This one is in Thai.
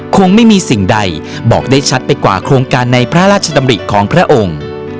คงไม่มีสิ่งใดบอกได้ชัดไปกว่าโครงการในพระราชดำริของพระองค์